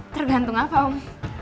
tergantung apa om